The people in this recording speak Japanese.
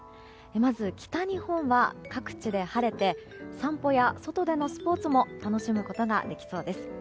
まず北日本は各地で晴れて散歩や外でのスポーツも楽しむことができそうです。